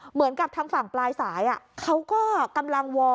เหมือนกับทางฝั่งปลายสายเขาก็กำลังวอล